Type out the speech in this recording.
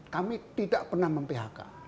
kami tidak pernah mem phk